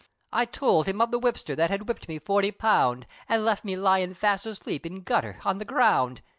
I towld him of the whipsther, that Had whipped me forty pound, An' left me lyin' fast asleep, In gutther, on the ground.